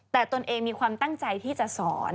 แต่ตนเองมีความตั้งใจที่จะสอน